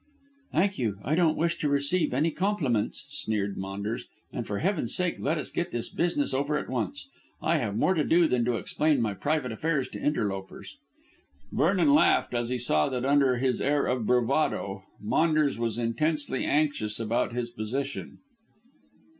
"Thank you, I don't wish to receive any compliments," sneered Maunders, "and, for heaven's sake, let us get this business over at once. I have more to do than to explain my private affairs to interlopers." Vernon laughed as he saw that under his air of bravado Maunders was intensely anxious about his position.